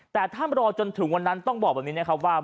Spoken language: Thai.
แต่ถ้ารอจนถึงวันนั้นต้องบอกแบบนี้นะครับว่า